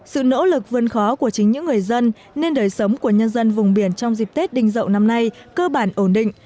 sự nỗ lực vươn khó của chính những người dân nên đời sống của nhân dân vùng biển trong dịp tết đinh dậu năm nay cơ bản ổn định